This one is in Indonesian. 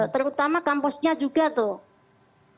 terutama kampusnya juga tuh